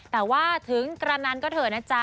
แต่ว่าถึงกระนันก็เถอะนะจ๊ะ